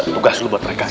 tugas lu buat mereka ya